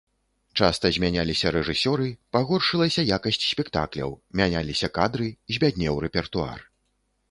Часта змяняліся рэжысёры, пагоршылася якасць спектакляў, мяняліся кадры, збяднеў рэпертуар.